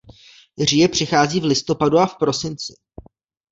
Říje přichází v listopadu a v prosinci.